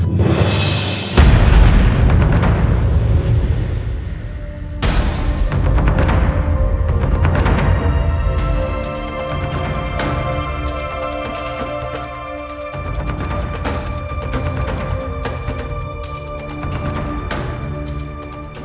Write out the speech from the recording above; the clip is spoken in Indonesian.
aku mau ke jalan